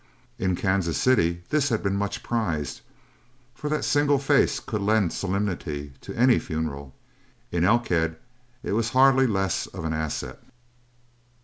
In Kansas City this had been much prized, for that single face could lend solemnity to any funeral. In Elkhead it was hardly less of an asset.